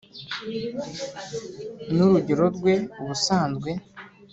N'urugero rwe ubusanzwe,